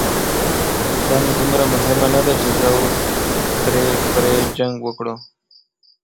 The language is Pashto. دا نو دومره مهمه نه ده، چې زه او ترې پرې جنګ وکړو.